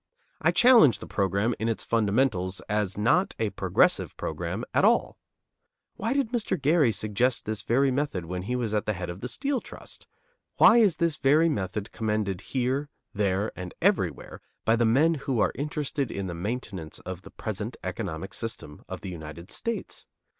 I challenge the program in its fundamentals as not a progressive program at all. Why did Mr. Gary suggest this very method when he was at the head of the Steel Trust? Why is this very method commended here, there, and everywhere by the men who are interested in the maintenance of the present economic system of the United States?